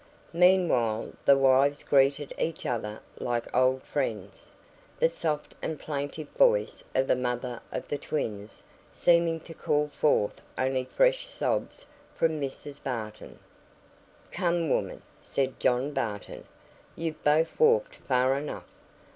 Meanwhile the wives greeted each other like old friends, the soft and plaintive voice of the mother of the twins seeming to call forth only fresh sobs from Mrs. Barton. "Come, women," said John Barton, "you've both walked far enough.